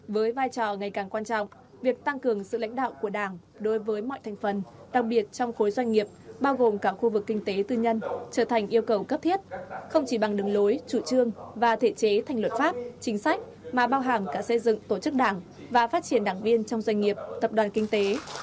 với vai trò ngày càng quan trọng việc tăng cường sự lãnh đạo của đảng đối với mọi thành phần đặc biệt trong khối doanh nghiệp bao gồm cả khu vực kinh tế tư nhân trở thành yêu cầu cấp thiết không chỉ bằng đường lối chủ trương và thể chế thành luật pháp chính sách mà bao hàm cả xây dựng tổ chức đảng và phát triển đảng viên trong doanh nghiệp tập đoàn kinh tế